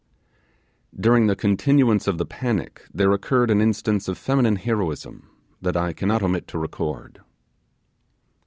During the continuance of the panic there occurred an instance of feminine heroism that I cannot omit to record.